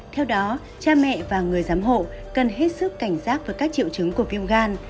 theo đó cha mẹ và người giám hộ cần hết sức cảnh giác với các triệu chứng của viêm gan